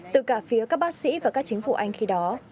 từ cả phía các bác sĩ và các chính phủ anh khi đó